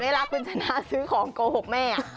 เวลาคุณชนะซื้อของโกหกแม่